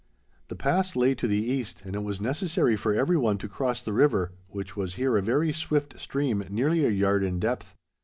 The pass lay to the east, and it was necessary for every one to cross the river, which was here a very swift stream nearly a yard in depth.